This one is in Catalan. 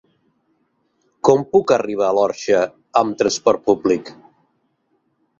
Com puc arribar a l'Orxa amb transport públic?